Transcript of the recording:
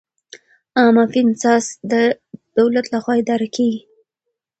عامه فینانس د دولت لخوا اداره کیږي.